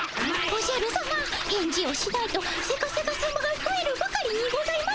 おじゃるさま返事をしないとセカセカさまがふえるばかりにございます。